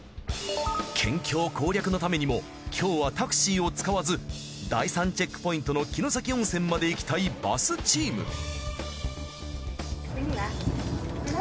県境攻略のためにも今日はタクシーを使わず第３チェックポイントの城崎温泉まで行きたいバスチーム。